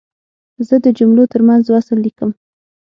زه د جملو ترمنځ وصل لیکم.